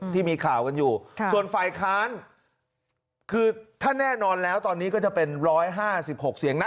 ที่มีข่าวกันอยู่ส่วนฝ่ายค้านคือถ้าแน่นอนแล้วตอนนี้ก็จะเป็น๑๕๖เสียงนะ